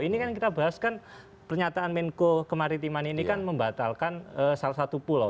ini kan kita bahas kan pernyataan menko kemaritiman ini kan membatalkan salah satu pulau